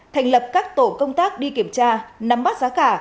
thành lập các tổ công tác đi kiểm tra nắm bắt giá cả